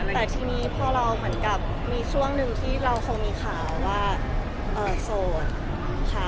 แต่ทีนี้พอเราเหมือนกับมีช่วงหนึ่งที่เราคงมีข่าวว่าโสดค่ะ